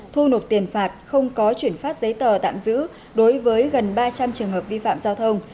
thu nộp tiền phạt không có chuyển phát giấy tờ tạm giữ đối với gần ba trăm linh trường hợp vi phạm giao thông